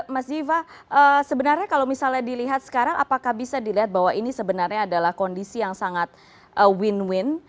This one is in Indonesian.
mas diva sebenarnya kalau misalnya dilihat sekarang apakah bisa dilihat bahwa ini sebenarnya adalah kondisi yang sangat win win